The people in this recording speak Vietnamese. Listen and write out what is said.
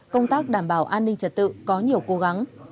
công tác đảm bảo an ninh trật tự có nhiều cố gắng